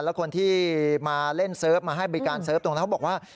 แล้วคนที่มาเล่นเซิร์ฟมาให้บริการเซิร์ฟตรงนั้นเขาบอกว่า